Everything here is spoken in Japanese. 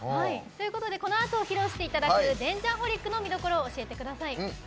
このあと披露していただく「Ｄａｎｇｅｒｈｏｌｉｃ」の見どころを教えてください。